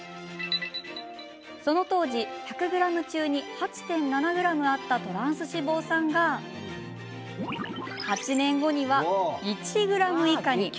その当時１００ｇの中に８．７ｇあったトランス脂肪酸が８年後には１ｇ以下に。